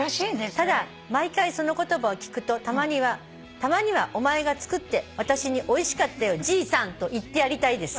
「ただ毎回その言葉を聞くとたまにはたまにはお前が作って『おいしかったよじいさん』と言ってやりたいです」